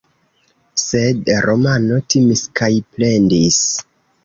Sed Romano timis kaj plendis.